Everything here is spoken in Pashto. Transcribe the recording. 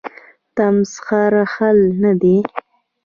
تمسخر حل نه دی.